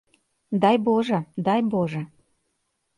Дай божа, дай божа!